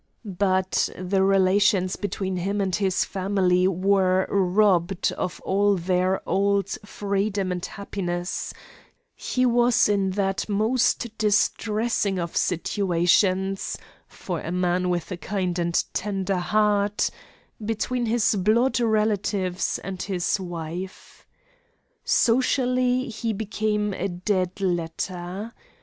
But the relations between him and his family were robbed of all their old freedom and happiness; he was in that most distressing of situations for a man with a kind and tender heart between his blood relatives and his wife. Socially he became a dead letter.